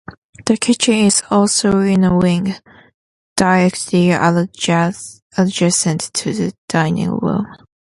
The kitchen is also in the wing, directly adjacent to the dining room.